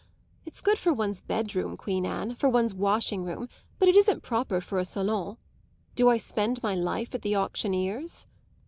It's good for one's bed room, Queen Anne for one's washing room; but it isn't proper for a salon. Do I spend my life at the auctioneer's?"